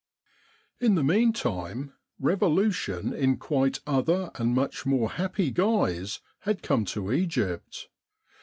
In the meantime Revolution in quite other and much more happy guise had come to Egypt.